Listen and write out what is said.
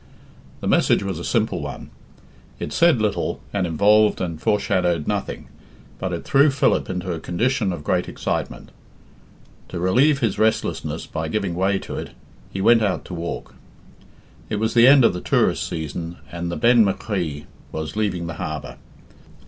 The message was a simple one: it said little, and involved and foreshadowed nothing, but it threw Philip into a condition of great excitement. To relieve his restlessness by giving way to it, he went out to walk. It was the end of the tourist season, and the Ben my Chree was leaving the harbour.